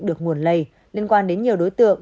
được nguồn lây liên quan đến nhiều đối tượng